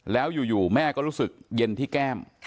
แล้วอยู่แม่ก็รู้สึกเย็นที่แก้ม